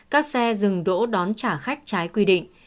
các xe dừng đỗ đón trả khách trái quy định